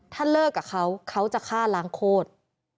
ถ้าเลิกกับเขาเขาจะฆ่าล้างโคตร